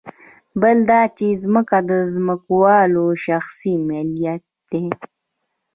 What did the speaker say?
بل دا چې ځمکه د ځمکوالو شخصي ملکیت دی